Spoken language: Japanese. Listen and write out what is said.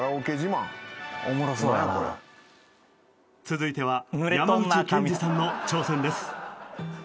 続いては山内健司さんの挑戦です。